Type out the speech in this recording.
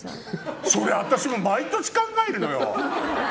それ、私も毎年考えるのよ！